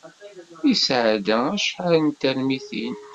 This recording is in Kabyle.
Yesɛedda acḥal n termitin.